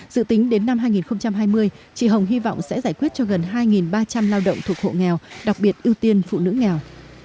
dự tính đến năm hai nghìn hai mươi chị hồng hy vọng sẽ giải quyết cho gần hai ba trăm linh lao động thuộc hộ nghèo đặc biệt ưu tiên phụ nữ nghèo